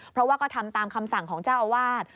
เพราะว่าก็ทำตามคำสั่งของเจ้าอาวาส